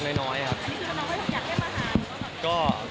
อันนี้คือน้องคงอยากให้มากิน